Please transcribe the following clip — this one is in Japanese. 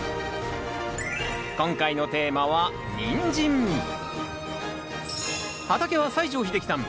今回のテーマは畑は西城秀樹さん